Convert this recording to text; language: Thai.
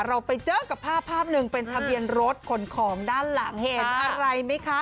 เราไปเจอกับภาพภาพหนึ่งเป็นทะเบียนรถขนของด้านหลังเห็นอะไรไหมคะ